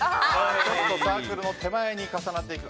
サークルの手前に重なっていく。